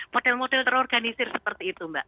model model terorganisir seperti itu mbak